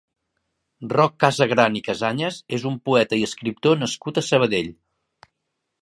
Roc Casagran i Casañas és un poeta i escriptor nascut a Sabadell.